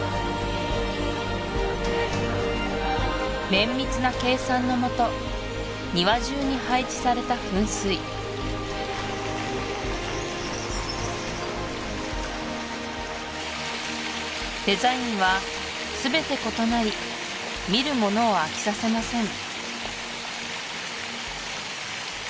綿密な計算のもと庭中に配置された噴水デザインは全て異なり見る者を飽きさせません